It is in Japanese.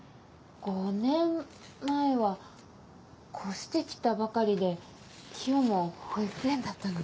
５年前は越して来たばかりでキヨも保育園だったので。